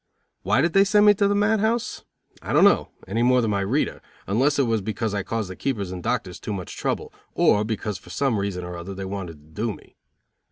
Why did they send me to the mad house? I don't know, any more than my reader, unless it was because I caused the keepers and doctors too much trouble, or because for some reason or other they wanted to do me.